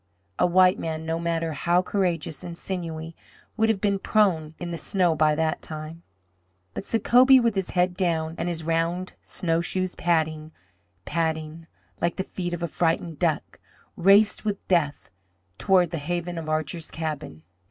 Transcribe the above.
A white man, no matter how courageous and sinewy, would have been prone in the snow by that time. But Sacobie, with his head down and his round snowshoes padding! padding! like the feet of a frightened duck, raced with death toward the haven of Archer's cabin.